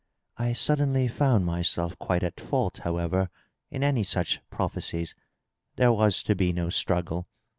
I suddenly found myself quite at fault, however, in any such prophe cies. There was to be no struggle.